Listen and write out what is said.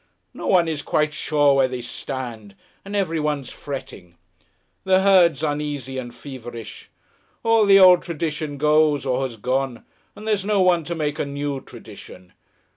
No one is quite sure where they stand, and everyone's fretting. The herd's uneasy and feverish. All the old tradition goes or has gone, and there's no one to make a new tradition.